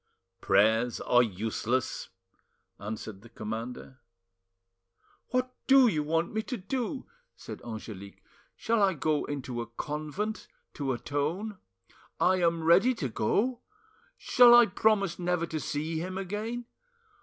"Prayers are useless!" answered the commander. "What do you want me to do?" said Angelique. "Shall I go into a convent to atone? I am ready to go. Shall I promise never to see him again?